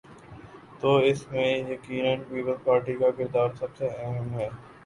تو اس میں یقینا پیپلزپارٹی کا کردار سب سے اہم ہے۔